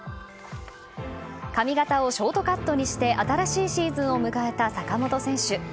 髪形をショートカットにして新しいシーズンを迎えた坂本選手。